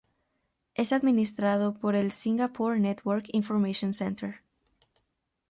Es administrado por el Singapore Network Information Centre.